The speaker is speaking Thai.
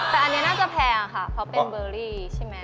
แต่อันนี้น่าจะแพงค่ะเพราะเป็นเบอร์รี่ใช่ไหม